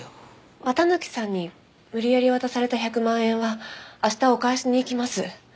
綿貫さんに無理やり渡された１００万円は明日お返しに行きます。